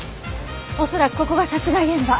恐らくここが殺害現場。